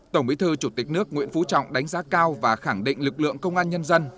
tổng bí thư chủ tịch nước nguyễn phú trọng đánh giá cao và khẳng định lực lượng công an nhân dân